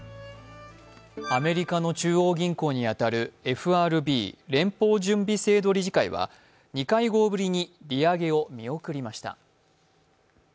アメリカの中央銀行に当たるＦＲＢ＝連邦準備制度理事会は、２会合ぶりに利上げを見送りました。